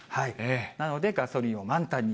なので、ガソリンを満タンに。